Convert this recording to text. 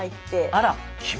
あら。